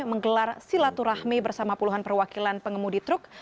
menggelar silaturahmi bersama puluhan perwakilan pengemudi truk